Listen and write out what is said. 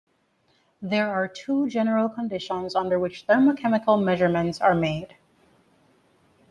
There are two general conditions under which Thermochemical measurements are made.